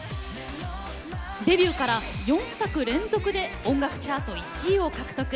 デビューから４作連続で音楽チャート１位を獲得。